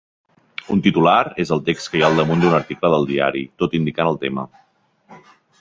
Un titular és el text que hi ha al damunt d'un article del diari, tot indicant el tema.